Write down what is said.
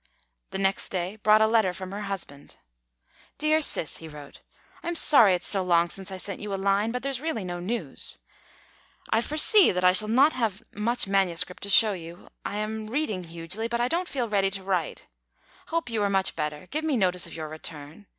The next day brought a letter from her husband, "Dear Ciss," he wrote, "I am sorry its so long since I sent you a line, but really there's no news. I foresee that I shall not have much manuscript to show you; I am reading hugely, but I don't feel ready to write. Hope you are much better; give me notice of your return.